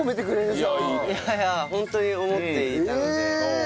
いやいやホントに思っていたので。